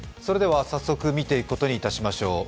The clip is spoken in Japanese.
早速見ていくことにいたしましょう